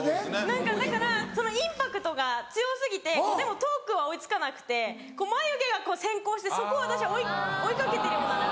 何かだからそのインパクトが強過ぎてでもトークは追い付かなくて眉毛が先行してそこを私は追い掛けてるような何か。